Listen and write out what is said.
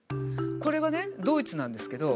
これはねドイツなんですけど